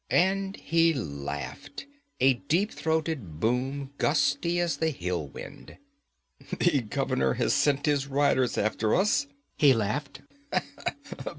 And he laughed, a deep throated boom gusty as the hill wind. 'The governor has sent his riders after us,' he laughed.